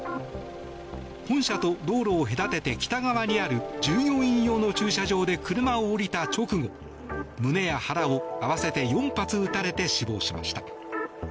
本社と道路を隔てて北側にある従業員用の駐車場で車を降りた直後胸や腹を合わせて４発撃たれて死亡しました。